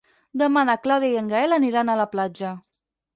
Demà na Clàudia i en Gaël aniran a la platja.